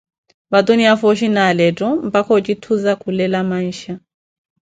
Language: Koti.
vatuniya fooshi na alettho, mpakha ojithuza kulela mansha.